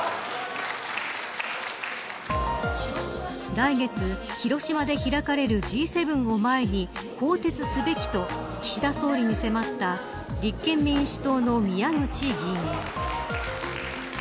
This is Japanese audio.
来月、広島で開かれるＧ７を前に、更迭すべきと岸田総理に迫った立憲民主党の宮口議員。